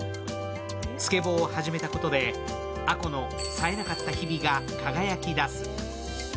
スケボーを始めたことで、憧子の冴えなかった日々が輝きだす。